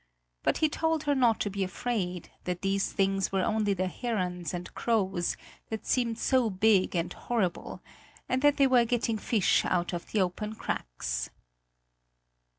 But he told her not to be afraid, that these things were only the herons and crows, that seemed so big and horrible, and that they were getting fish out of the open cracks.